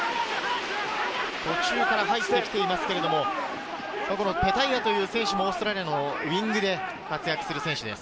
途中から入ってきていますけれど、ペタイアという選手もオーストラリアのウイングで活躍する選手です。